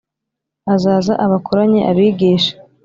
azaza abakoranye abigishe